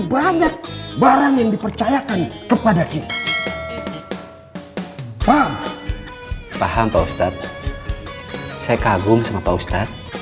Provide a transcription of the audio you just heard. banyak barang yang dipercayakan kepada kita paham paham saya kagum sama pak ustadz